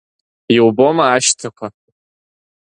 Иубома ашьҭақәа?